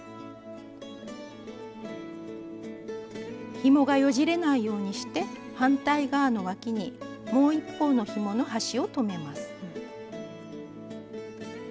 ひもがよじれないようにして反対側のわきにもう一方のひもの端を留めます。